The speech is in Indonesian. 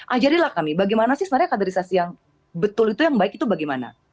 ajarilah kami bagaimana sih sebenarnya kaderisasi yang betul itu yang baik itu bagaimana